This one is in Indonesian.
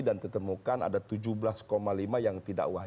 dan ditemukan ada tujuh belas lima yang tidak wajar